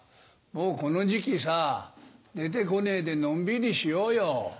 もうこの時期さぁ出て来ねえでのんびりしようよ。